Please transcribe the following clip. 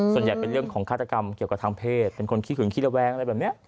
ส่วนใหญ่เป็นเรื่องของฆาตกรรมเกี่ยวกับทางเพศเป็นคนขี้หึงขี้ระแวงอะไรแบบนี้